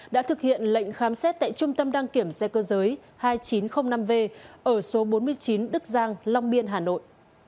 đã thực hiện lệnh khám xét tại trung tâm đăng kiểm xe cơ giới hai nghìn chín trăm linh năm v ở số bốn mươi chín đức giang long biên hà nội